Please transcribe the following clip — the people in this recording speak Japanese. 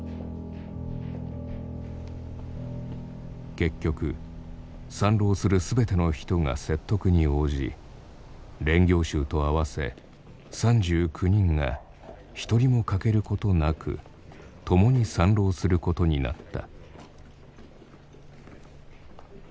結局参籠する全ての人が説得に応じ練行衆と合わせ３９人が一人も欠けることなく共に参籠することになった。